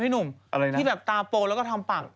๓ชั่วโมง๔ชั่วโมง